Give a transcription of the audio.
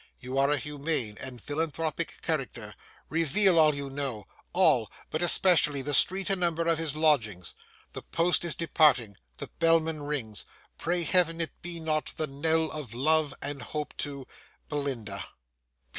You are a humane and philanthropic character; reveal all you know—all; but especially the street and number of his lodgings. The post is departing, the bellman rings,—pray Heaven it be not the knell of love and hope to BELINDA.